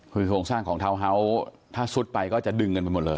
คือโครงสร้างของทาวน์เฮาส์ถ้าซุดไปก็จะดึงกันไปหมดเลย